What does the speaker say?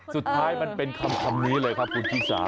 สุดท้ายมันเป็นคำนี้เลยครับคุณชิสา